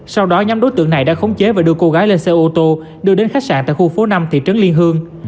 sau đó nhóm đối tượng này đã khống chế và đưa cô gái lên xe ô tô đưa đến khách sạn tại khu phố năm thị trấn liên hương